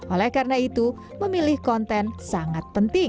oleh karena itu memilih konten sangat penting